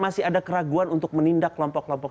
masih ada keraguan untuk menindak kelompok kelompok